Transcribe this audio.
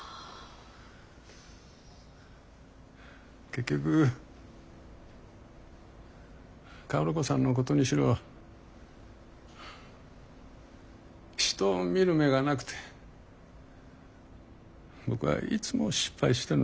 結局薫子さんのことにしろ人を見る目がなくて僕はいつも失敗してるんです。